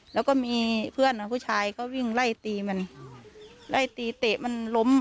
แล้วก็มีเพื่อนผู้ชายก็วิ่งไล่ตีมันไล่ตีเตะมันล้ม